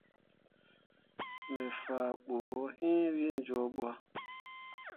Me faa ɓu wǝ jooɓǝ.